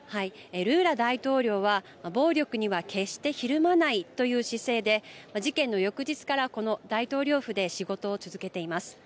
ルーラ大統領は暴力には決してひるまないという姿勢で事件の翌日からこの大統領府で仕事を続けています。